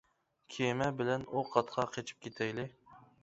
-كېمە بىلەن ئۇ قاتقا قېچىپ كېتەيلى.